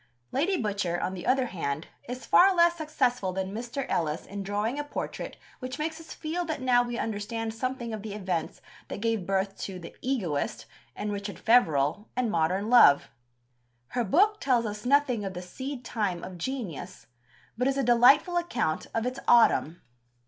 Lady Butcher, on the other hand, is far less successful than Mr. Ellis in drawing a portrait which makes us feel that now we understand something of the events that gave birth to The Egoist and Richard Feverel and Modern Love. Her book tells us nothing of the seed time of genius, but is a delightful account of its autumn.